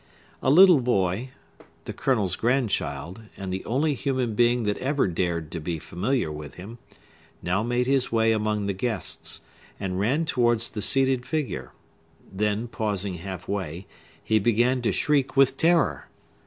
A little boy—the Colonel's grandchild, and the only human being that ever dared to be familiar with him—now made his way among the guests, and ran towards the seated figure; then pausing halfway, he began to shriek with terror.